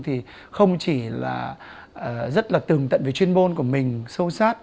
thì không chỉ là rất là tường tận với chuyên bôn của mình sâu sát